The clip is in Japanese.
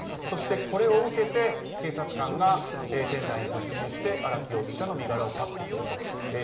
そして、これを受けて警察官が店内に突入して荒木容疑者の身柄を確保すると。